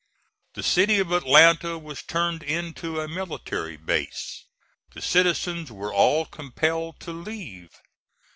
The city of Atlanta was turned into a military base. The citizens were all compelled to leave.